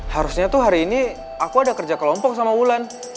harusnya tuh hari ini aku ada kerja kelompok sama wulan